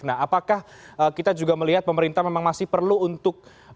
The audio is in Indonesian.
nah apakah kita juga melihat pemerintah memang masih perlu untuk